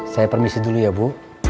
saya permisi dulu ya bu